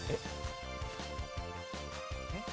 えっ。